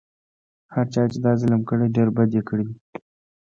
هر چا چې دا ظلم کړی ډېر بد یې کړي دي.